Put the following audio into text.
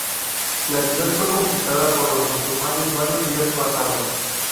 La ciudad fue conquistada por los musulmanes varios días más tarde.